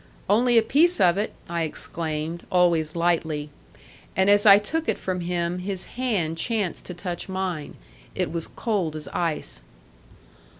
"Only a piece of it!" I exclaimed, always lightly. And as I took it from him his hand chanced to touch mine. It was cold as ice.